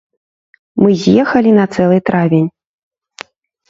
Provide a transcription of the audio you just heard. Мы з'ехалі на цэлы травень.